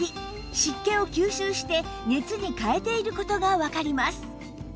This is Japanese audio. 湿気を吸収して熱に変えている事がわかります